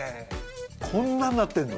こんなんなってんの？